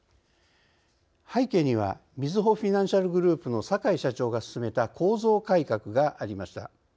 背景にはみずほフィナンシャルグループの坂井社長が進めた構造改革がありました。